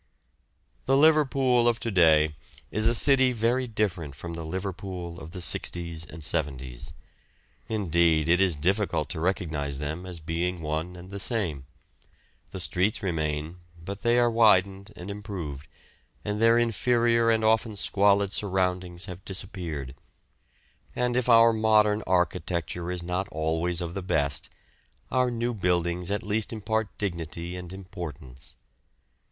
The Liverpool of to day is a city very different from the Liverpool of the 'sixties and 'seventies, indeed it is difficult to recognise them as being one and the same; the streets remain, but they are widened and improved, and their inferior and often squalid surroundings have disappeared; and if our modern architecture is not always of the best, our new buildings at least impart dignity and importance.